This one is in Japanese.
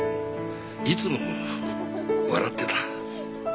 いつも笑ってた。